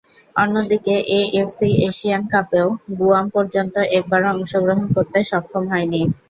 অন্যদিকে, AFC Asian কাপেও Guam এপর্যন্ত একবারও অংশগ্রহণ করতে সক্ষম হয়নি।